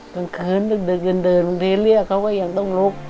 ตรงคืนนึกดึกดึงทีเรียบเขาก็ยังต้องลุก